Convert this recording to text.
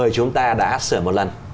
hai nghìn một mươi chúng ta đã sửa một lần